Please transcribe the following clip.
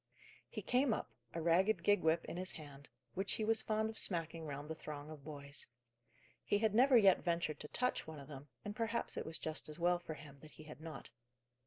He came up, a ragged gig whip in his hand, which he was fond of smacking round the throng of boys. He had never yet ventured to touch one of them, and perhaps it was just as well for him that he had not.